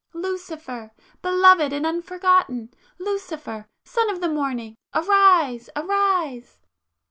"Lucifer! ... Belovëd and unforgotten! Lucifer, Son of the morning! Arise! ... arise!